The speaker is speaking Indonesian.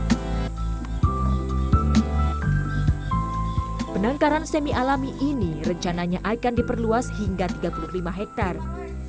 proyek ini diharapkan akan mampu menarik pejantan alam untuk bisa dikawinkan dengan betina banteng jawa penangkaran